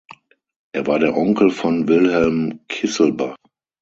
Er war der Onkel von Wilhelm Kiesselbach.